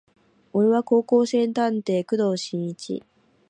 俺は高校生探偵工藤新一